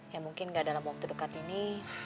ya mungkin nggak dalam waktu dekat ini